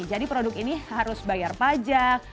jadi produk ini harus bayar pajak